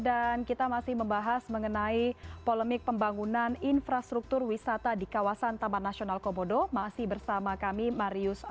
di hati kamu oleh charles